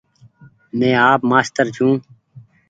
مين آپ مآستر ڇون ۔